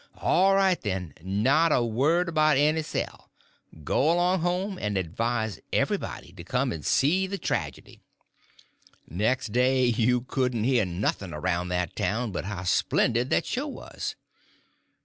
"All right, then—not a word about any sell. Go along home, and advise everybody to come and see the tragedy." Next day you couldn't hear nothing around that town but how splendid that show was.